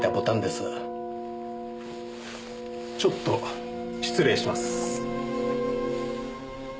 ちょっと失礼します。